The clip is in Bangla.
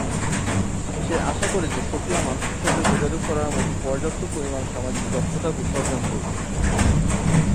সে আশা করে যে সোফিয়া মানুষের সাথে যোগাযোগ করার মত পর্যাপ্ত পরিমাণ সামাজিক দক্ষতা অর্জন করবে।